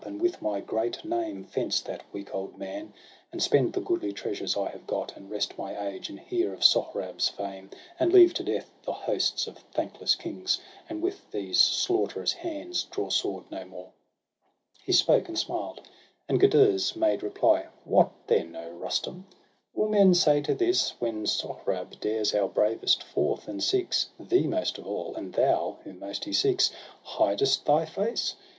And with my great name fence that weak old man, And spend the goodly treasures I have got, And rest my age, and hear of Sohrab's fame. And leave to death the hosts of thankless kings, And with these slaughterous hands draw sword no more/ He spoke, and smiled ; and Gudurz made reply :—' What then, O Rustum, will men say to this, When Sohrab dares our bravest forth, and seeks Thee most of all, and thou, whom most he seeks, Hidest thy face